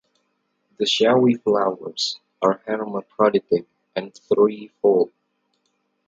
The showy flowers are hermaphroditic and threefold.